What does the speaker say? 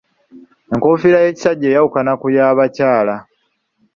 Enkoofiira y'ekisajja eyawukana ku y'abakyala.